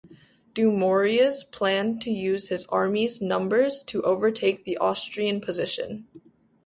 Dumouriez planned to use his army's numbers to overtake the Austrian position.